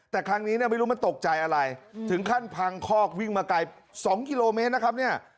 แต่ครั้งนี้เนี่ยไม่รู้มันตกใจอะไรถึงขั้นพังคอกวิ่งมาไกล๒กิโลเมตรนะครับเนี่ย